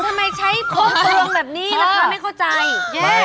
ทำไมใช้โคตรตรงแบบนี้แหละคะไม่เข้าใจ